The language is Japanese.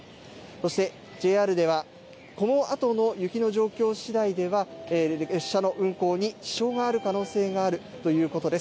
そしてＪＲではこのあとの雪の状況しだいでは列車の運行に支障がある可能性があるということです。